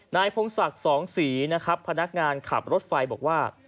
พงศักดิ์สองศรีนะครับพนักงานขับรถไฟบอกว่า